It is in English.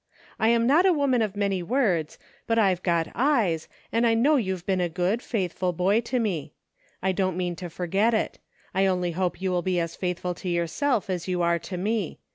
I'm not a woman of many words, but I've got eyes, and I know you've been a good, faithful boy to me ; I don't mean to forget it ; I only hope you will be as faithful to yourself as you are to me.